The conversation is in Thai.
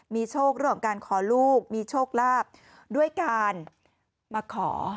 มีโชคเรื่องของการขอลูกมีโชคลาภด้วยการมาขอ